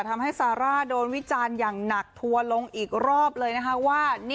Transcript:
ทำให้ซาร่าโดนวิจารณ์อย่างหนักทัวร์ลงอีกรอบเลยนะคะว่า